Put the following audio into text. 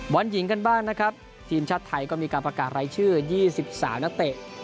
บอลหญิงกันบ้างนะครับทีมชาติไทยก็มีการประกาศรายชื่อ๒๓นักเตะ